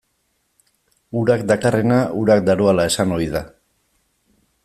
Urak dakarrena urak daroala esan ohi da.